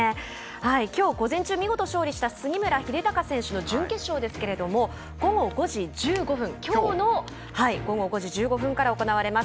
きょう午前中、見事に勝利した杉村英孝選手の準決勝ですけれどもきょうの午後５時１５分から行われます。